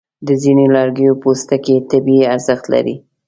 د ځینو لرګیو پوستکي طبي ارزښت لري.